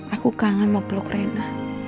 aku kangen mau blok rena